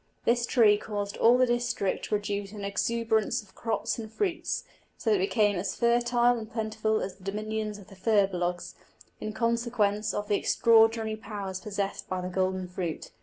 This tree caused all the district to produce an exuberance of crops and fruits, so that it became as fertile and plentiful as the dominions of the Firbolgs, in consequence of the extraordinary powers possessed by the golden fruit.